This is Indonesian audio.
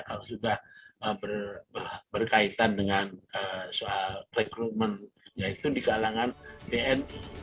kalau sudah berkaitan dengan soal rekrutmen yaitu di kalangan tni